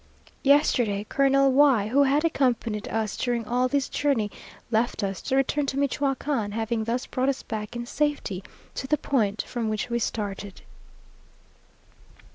Yesterday Colonel Y , who has accompanied us during all this journey, left us, to return to Michoacán, having thus brought us back in safety to the point from which we started.